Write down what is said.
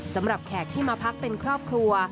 สำหรับแขกที่มาพักเป็นครอบครัว